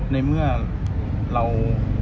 ในเมื่อเรา